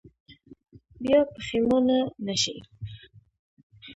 بیا پښېمانه نه شئ.